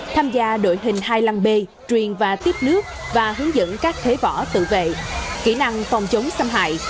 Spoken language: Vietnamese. tham gia đội hình hai lăng b truyền và tiếp nước và hướng dẫn các thế vỏ tự vệ kỹ năng phòng chống xâm hại